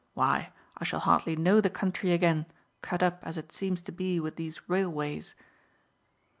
Why, I shall hardly know the country again, cut up as it seems to be with these railways."